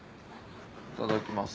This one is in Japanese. いただきます。